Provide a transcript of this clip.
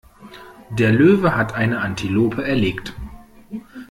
Der Löwe hat eine Antilope erlegt.